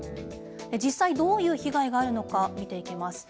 実際、どういう被害があるのか見ていきます。